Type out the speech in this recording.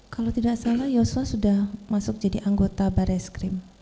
kalau tidak salah joshua sudah masuk jadi anggota barreskrim